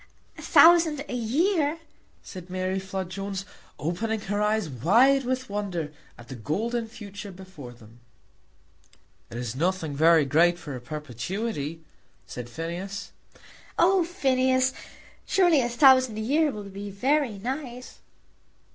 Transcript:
"A thousand a year!" said Mary Flood Jones, opening her eyes wide with wonder at the golden future before them. "It is nothing very great for a perpetuity," said Phineas. "Oh, Phineas; surely a thousand a year will be very nice."